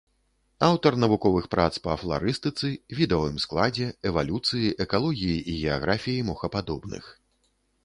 Аўтар навуковых прац па фларыстыцы, відавым складзе, эвалюцыі, экалогіі і геаграфіі мохападобных.